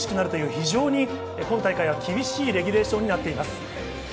非常に今大会は厳しいレギュレーションとなっています。